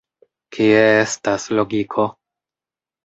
Kie estas logiko?